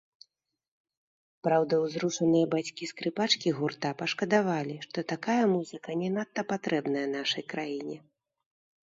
Праўда, узрушаныя бацькі скрыпачкі гурта пашкадавалі, што такая музыка не надта патрэбная нашай краіне.